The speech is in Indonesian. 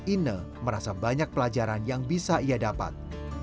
ine merasa banyak pelajaran yang bisa ia dapat